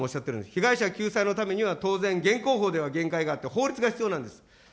被害者救済のためには当然、現行法では限界があって法律が必要なんです。